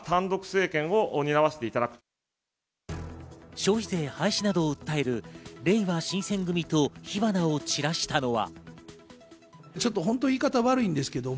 消費税廃止などを訴える、れいわ新選組と火花を散らしたのは。